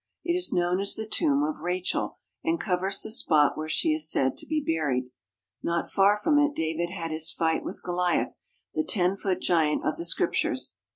It is known as the Tomb of Rachel, and covers the spot where she is said to be buried. Not far from it David had his fight with Goliath, the ten foot giant of the Scriptures.